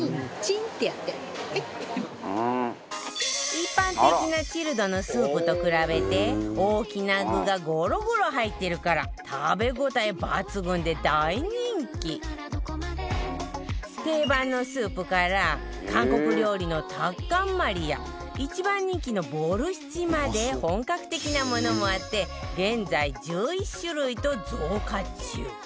一般的なチルドのスープと比べて大きな具がゴロゴロ入ってるから食べ応え抜群で大人気定番のスープから韓国料理のタッカンマリや一番人気のボルシチまで本格的なものもあって現在１１種類と増加中